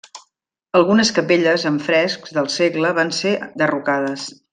Algunes capelles amb frescs del segle van ser derrocades.